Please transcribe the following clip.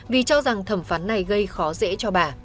vì cho rằng thẩm phán này gây khó dễ cho bà